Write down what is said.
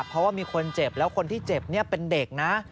เพราะว่ามีคนเจ็บแล้วคนที่เจ็บเป็นเด็กนะ